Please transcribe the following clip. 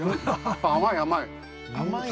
甘い甘い。